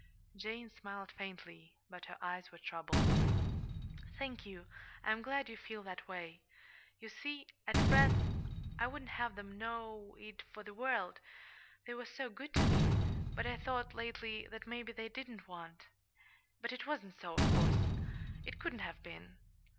Jane smiled faintly, but her eyes were troubled. "Thank you; I'm glad you feel that way. You see, at Fred's I wouldn't have them know it for the world, they were so good to me but I thought, lately, that maybe they didn't want But it wasn't so, of course. It couldn't have been.